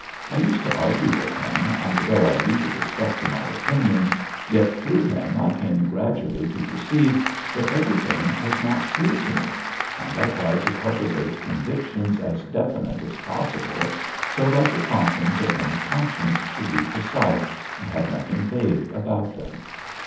I used to argue with him, and though I usually stuck to my opinion, yet, through him, I came gradually to perceive that everything was not clear to me, and I tried to cultivate convictions as definite as possible so that the promptings of my conscience should be precise and have nothing vague about them.